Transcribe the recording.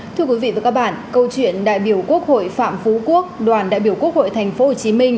thưa quý vị và các bạn câu chuyện đại biểu quốc hội phạm phú quốc đoàn đại biểu quốc hội tp hcm